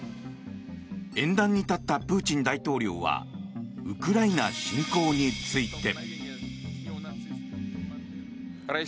演壇に立ったプーチン大統領はウクライナ侵攻について。